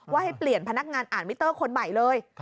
ว่าให้เปลี่ยนพนักงานอ่านวิทย์ต้อคนใหม่เลย